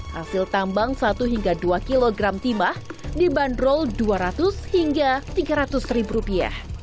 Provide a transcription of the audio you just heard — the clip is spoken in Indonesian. hasil tambang satu hingga dua kg timah dibanderol dua ratus hingga tiga ratus ribu rupiah